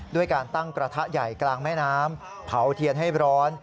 ด้วยการตั้งกระทะใหญ่กลางแม่น้ำเผาเทียนให้ร้อน